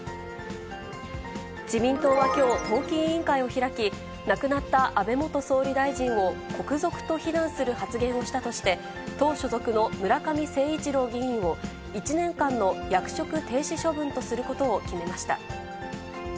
自民党はきょう、党紀委員会を開き、亡くなった安倍元総理大臣を国賊と非難する発言をしたとして、党所属の村上誠一郎議員を、１年間の役職停止処分とすることを決めました。